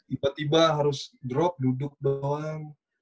tiba tiba harus drop duduk doang